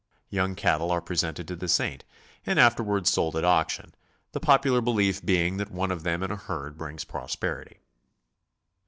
Young cattle are presented to the Saint and afterward sold at auction, the popular belief being that one of them in a herd brings pros perity.